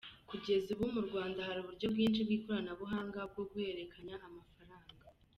Kugeza ubu mu Rwanda hari uburyo bwinshi bw’ikoranabuhanga bwo guhererekanya amafaranga.